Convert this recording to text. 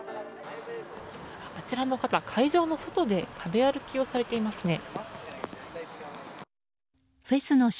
あちらの方、会場の外で食べ歩きをされていますね。